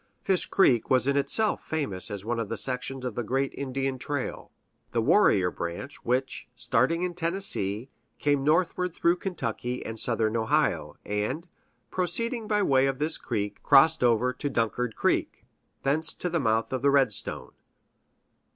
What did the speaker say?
Fish Creek was in itself famous as one of the sections of the great Indian trail, "The Warrior Branch," which, starting in Tennessee, came northward through Kentucky and Southern Ohio, and, proceeding by way of this creek, crossed over to Dunkard Creek, thence to the mouth of Redstone.